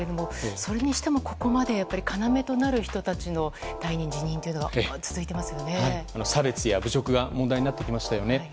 それにしてもここまで要となる人たちの退任・辞任というのが差別や侮辱が問題になってきましたよね。